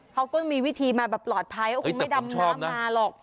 เขาก็มีวิธีมาแบบปลอดภัยก็คงไม่ดำน้ำมาหรอก